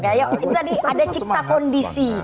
kayak ada cipta kondisi